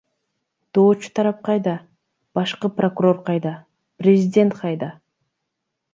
Доочу тарап кайда, башкы прокурор кайда, президент кайда?